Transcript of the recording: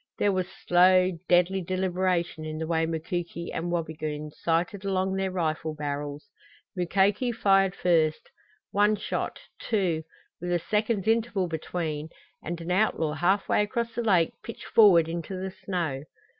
There was slow deadly deliberation in the way Mukoki and Wabigoon sighted along their rifle barrels. Mukoki fired first; one shot, two with a second's interval between and an outlaw half way across the lake pitched forward into the snow.